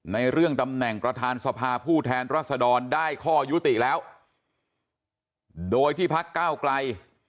ในเรื่องตำแหน่งประธานสภาผู้แทนรัศดรได้ข้อยุติแล้วโดยที่พักก้าวไกล